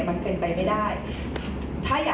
การสอบส่วนแล้วนะ